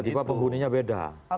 tiba tiba pembunuhnya beda